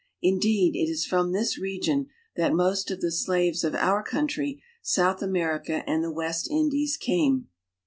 Indeed, it B from this region that most of the slaves of our country, (outh America, and the West Indies came.